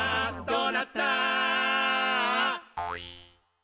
「どうなった？」